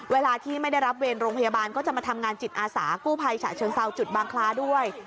เวลาที่ไม่ได้รับเวรโรงพยาบาลก็จะมาทำงานจิตอาสากู้ภัยฉะเชิงเซาจุดบางคลาด้วย